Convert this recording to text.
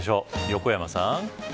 横山さん。